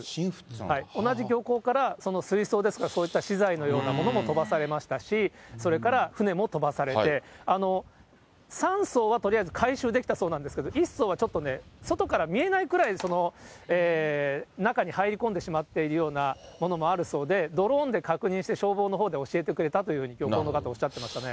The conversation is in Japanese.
同じ漁港から水槽ですか、そういった資材のようなものも飛ばされましたし、船も飛ばされて、３そうはとりあえず回収できたそうなんですけれども、１そうはちょっとね、外から見えないくらい、中に入り込んでしまっているようなものもあるそうで、ドローンで確認して、消防のほうで教えてくれたというふうに、漁港の方はおっしゃっていましたね。